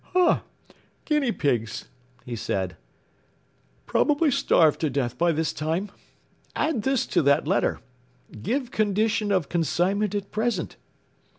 “Huh! guinea pigs!” he said. “Probably starved to death by this time! Add this to that letter: 'Give condition of consignment at present.'